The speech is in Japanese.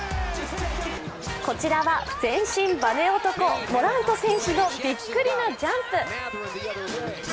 こちらは全身バネ男、モラント選手のびっくりのジャンプ。